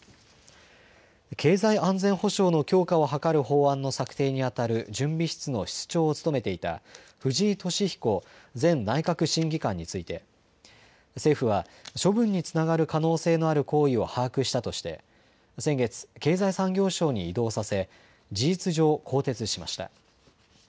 経済安全保障の強化を図る法案の策定にあたる準備室の室長を務めていた藤井敏彦前内閣審議官について政府は処分につながる可能性のある行為を把握したとして先月、経済産業省に異動させ事実上、更迭しました。